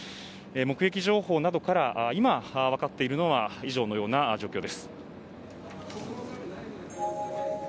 目撃情報などから今分かっているのは以上のような状況です。